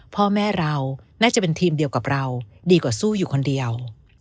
น่าจะเป็นทีมเดียวกับเราดีกว่าสู้อยู่คนเดียว